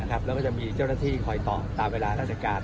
แล้วก็จะมีเจ้าหน้าที่คอยตอบตามเวลาราชการ